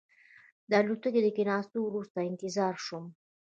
د الوتکې له کېناستو وروسته انتظار شوم.